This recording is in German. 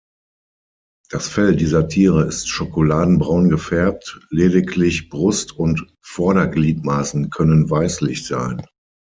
Das Fell dieser Tiere ist schokoladenbraun gefärbt, lediglich Brust und Vordergliedmaßen können weißlich sein.